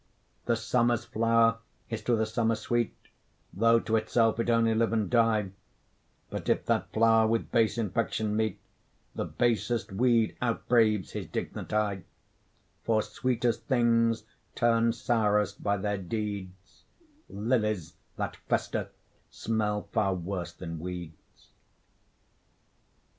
The summer's flower is to the summer sweet, Though to itself, it only live and die, But if that flower with base infection meet, The basest weed outbraves his dignity: For sweetest things turn sourest by their deeds; Lilies that fester, smell far worse than weeds.